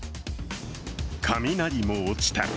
雷も落ちた。